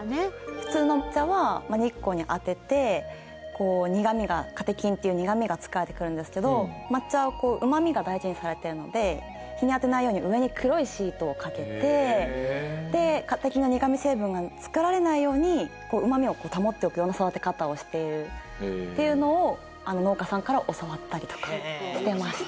普通のお茶は日光に当てて苦みがカテキンっていう苦みが作られてくるんですけど抹茶はうまみが大事にされてるので日に当てないように上に黒いシートをかけてでカテキンの苦み成分が作られないようにうまみを保っておくような育て方をしているっていうのを農家さんから教わったりとかしてました。